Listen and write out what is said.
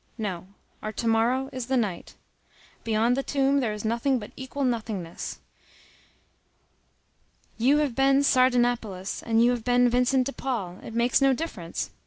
No; our to morrow is the night. Beyond the tomb there is nothing but equal nothingness. You have been Sardanapalus, you have been Vincent de Paul—it makes no difference.